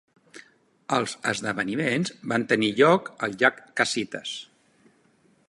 Els esdeveniments van tenir lloc al llac Casitas.